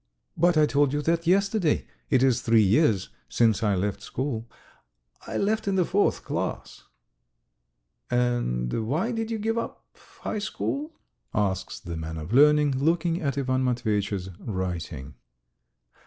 "But I told you that yesterday. It is three years since I left school. ... I left in the fourth class." "And why did you give up high school?" asks the man of learning, looking at Ivan Matveyitch's writing.